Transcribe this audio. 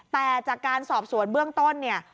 แต่จากการสอบสวนเบื้องต้นเนี่ย